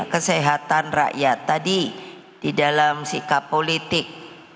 kesehatan rakyat tadi di dalam sikap politik